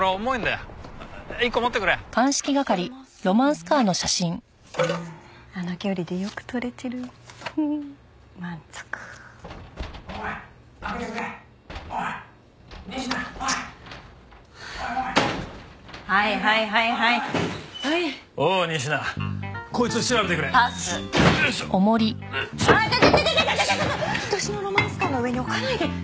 いとしのロマンスカーの上に置かないで！